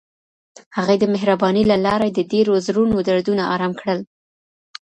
هغې د مهربانۍ له لارې د ډېرو زړونو دردونه ارام کړل.